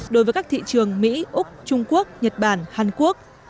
đối với các thị trường mỹ úc trung quốc nhật bản hàn quốc